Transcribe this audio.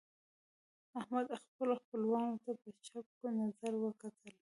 احمد خپلو خپلوانو ته په چپ نظر وکتل.